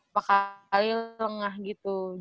apakah kali lengah gitu